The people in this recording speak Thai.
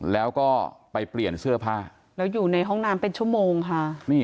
แล้วก็ไปเปลี่ยนเสื้อผ้าแล้วอยู่ในห้องน้ำเป็นชั่วโมงค่ะ